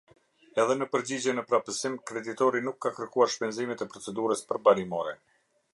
Edhe në përgjigjen në prapësim, kreditori nuk ka kërkuar shpenzimet e procedurës përmbarimore.